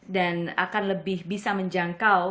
dan akan lebih bisa menjangkau